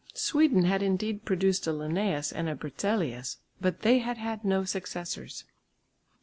Sweden had indeed produced a Linnæus and a Berzelius, but they had had no successors.